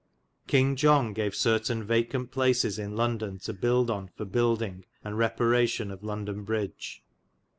Kynge John gave certeyne vacant places in London to builde on for buildinge and reparation of London Bridge.